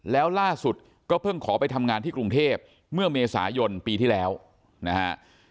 แล้วล่าสุดก็เพิ่งขอไปทำงานที่กรุงเทพเมื่อเมษายนปีที่แล้วนะฮะ